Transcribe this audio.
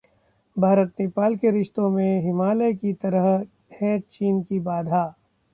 भारत-नेपाल के रिश्तों में हिमालय की तरह है चीन की बाधा